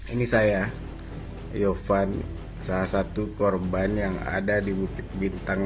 ini saya yofan salah satu korban yang ada di bukit bintang